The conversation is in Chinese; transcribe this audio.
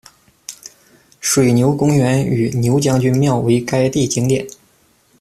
水牛公园与牛将军庙为该地景点。